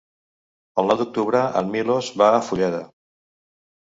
El nou d'octubre en Milos va a Fulleda.